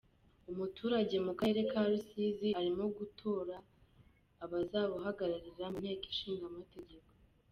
Umuturage mu karere ka Rusizi arimo gutora abazauhagararira mu nteko ishinga amategeko.